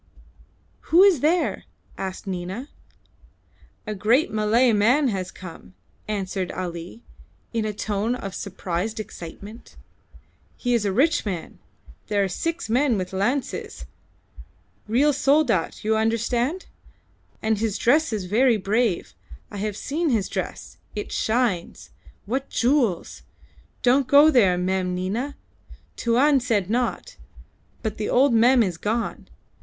"Who is there?" asked Nina. "A great Malay man has come," answered Ali, in a tone of suppressed excitement. "He is a rich man. There are six men with lances. Real Soldat, you understand. And his dress is very brave. I have seen his dress. It shines! What jewels! Don't go there, Mem Nina. Tuan said not; but the old Mem is gone.